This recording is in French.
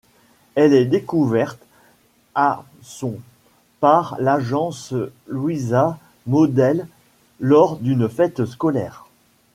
Elle est découverte à son par l'agence Louisa Models, lors d'une fête scolaire.